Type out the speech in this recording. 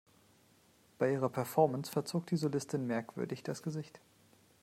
Bei ihrer Performance verzog die Solistin merkwürdig das Gesicht.